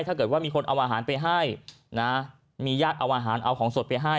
ถ้าเกิดว่ามีคนเอาอาหารไปให้นะมีญาติเอาอาหารเอาของสดไปให้